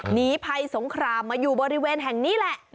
หนีภัยสงครามมาอยู่บริเวณแห่งนี้แหละ